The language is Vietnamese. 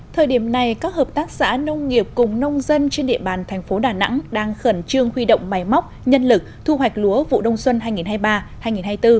thời điểm này các hợp tác xã nông nghiệp cùng nông dân trên địa bàn thành phố đà nẵng đang khẩn trương huy động máy móc nhân lực thu hoạch lúa vụ đông xuân hai nghìn hai mươi ba hai nghìn hai mươi bốn